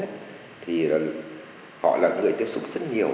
thì họ là người tiếp xúc rất nhiều